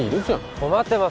困ってます